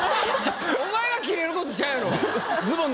お前がキレるとこちゃうやろ。